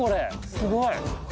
すごい。